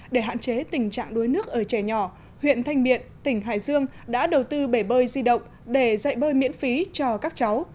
để hạn chế tình trạng đuối nước ở trẻ nhỏ huyện thanh miện tỉnh hải dương đã đầu tư bể bơi di động để dạy bơi miễn phí cho các cháu